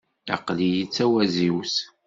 Aql-iyi d tawaziwt.